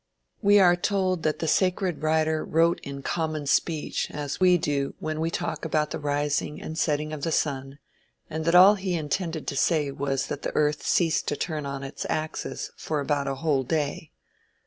We are told that the sacred writer wrote in common speech as we do when we talk about the rising and setting of the sun, and that all he intended to say was that the earth ceased to turn on its axis "for about a whole day."